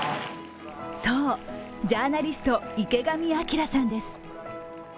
そう、ジャーナリスト池上彰さんです。